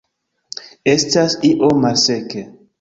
Estas iom malseke